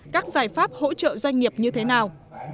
các giải pháp hỗ trợ doanh nghiệp như thế nào